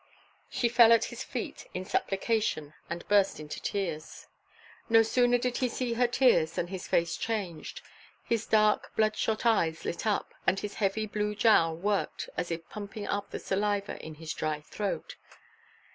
She fell at his feet in supplication and burst into tears. No sooner did he see her tears than his face changed; his dark blood shot eyes lit up, and his heavy blue jowl worked as if pumping up the saliva in his dry throat.